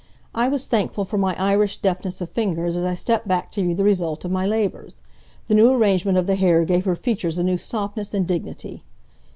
I was thankful for my Irish deftness of fingers as I stepped back to view the result of my labors. The new arrangement of the hair gave her features a new softness and dignity.